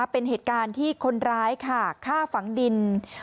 เป็นเหตุการณ์ที่คนร้ายค่ะฆ่าฝังดิน